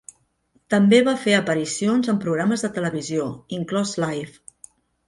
També va fer aparicions en programes de televisió, inclòs Live!